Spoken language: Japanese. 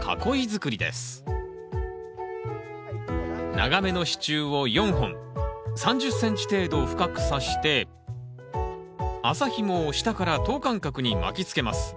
長めの支柱を４本３０ｃｍ程度深くさして麻ひもを下から等間隔に巻きつけます。